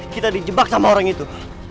kita di jebak sama orang itu